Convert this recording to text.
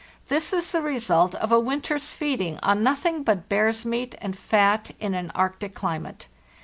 This is the result of a winter's feeding on nothing but bear's meat and fat in an Arctic climate.